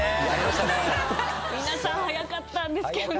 皆さん早かったんですけどね。